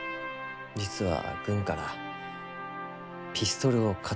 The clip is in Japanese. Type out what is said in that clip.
実は軍からピストルを買ってこいと。